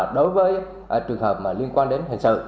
đối với trường hợp mà liên quan đến hành sự